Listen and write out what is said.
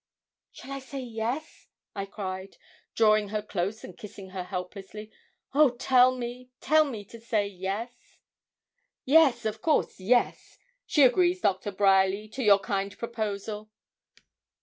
'Shall I say, yes?' I cried, drawing her close, and kissing her helplessly. 'Oh, tell me tell me to say, yes.' 'Yes, of course, yes. She agrees, Doctor Bryerly, to your kind proposal.'